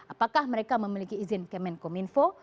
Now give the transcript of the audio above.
apakah mereka memiliki izin kemenkominfo